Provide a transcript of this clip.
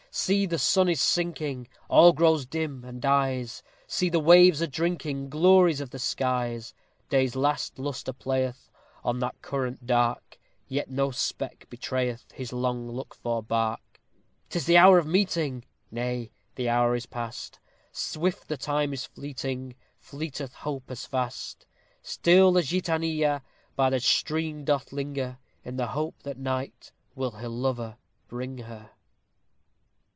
See, the sun is sinking; All grows dim, and dies; See, the waves are drinking Glories of the skies. Day's last lustre playeth On that current dark; Yet no speck betrayeth His long looked for bark. 'Tis the hour of meeting! Nay, the hour is past; Swift the time is fleeting! Fleeteth hope as fast. Still the Gitanilla By the stream doth linger, In the hope that night Will her lover bring her.